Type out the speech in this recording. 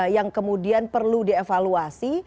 yang kemudian perlu dievaluasi